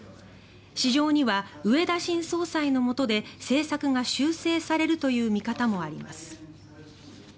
市場には植田新総裁のもとで政策が修正されるという見方もあります。